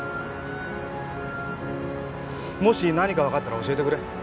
もし何かわかったら教えてくれ。